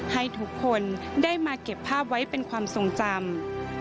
ให้ทุกคนได้มาเก็บภาพไว้เป็นความทรงจำ